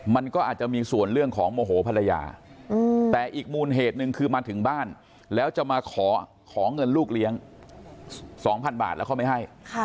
มันก็อาจจะมีส่วนเรื่องของโมโหภรรยาแต่อีกมูลเหตุหนึ่งคือมาถึงบ้านแล้วจะมาขอเงินลูกเลี้ยง๒๐๐๐บาทแล้วเขาไม่ให้